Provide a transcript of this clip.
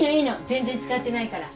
全然使ってないから。